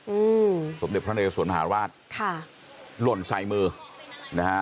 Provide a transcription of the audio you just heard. อืมสมเด็จพระเรสวนมหาราชค่ะหล่นใส่มือนะฮะ